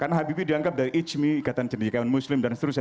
karena habibie dianggap dari ijmi ikatan cendekaan muslim dan seterusnya